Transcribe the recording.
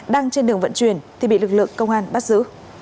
đang trên đường vận chuyển thì bị lực lượng công an bắt giữ